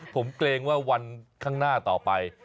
ผมเกรงว่าวันข้างหน้าต่อไป